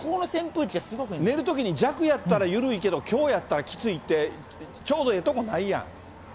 寝るときに弱やったら緩いけど、強やったらきついって、ちょうどええとこないやん。